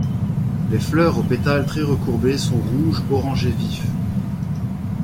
Les fleurs aux pétales très recourbés sont rouge orangé vif.